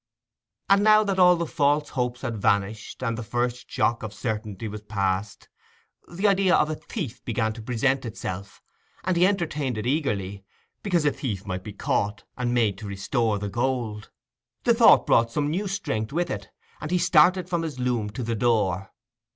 And now that all the false hopes had vanished, and the first shock of certainty was past, the idea of a thief began to present itself, and he entertained it eagerly, because a thief might be caught and made to restore the gold. The thought brought some new strength with it, and he started from his loom to the door.